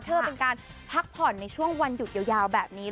เพื่อเป็นการพักผ่อนในช่วงวันหยุดยาวแบบนี้